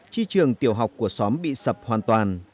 chi trường tiểu học của xóm bị sập hoàn toàn